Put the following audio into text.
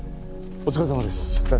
お疲れさまです。